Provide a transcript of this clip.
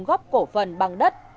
góp cổ phần bằng đất